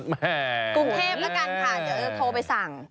กรุงเทพแล้วกันค่ะเดี๋ยวจะโทรไปสั่ง